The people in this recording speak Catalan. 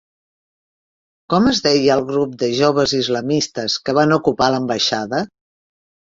Com es deia el grup de joves islamistes que van ocupar l'Ambaixada?